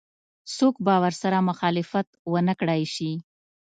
څوک به ورسره مخالفت ونه کړای شي.